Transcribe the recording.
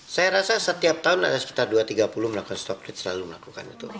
saya rasa setiap tahun ada sekitar dua tiga puluh melakukan stokrit selalu melakukan itu